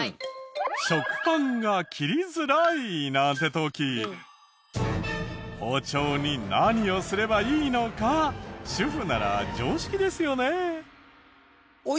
食パンが切りづらい！なんて時包丁に何をすればいいのか主婦なら常識ですよね。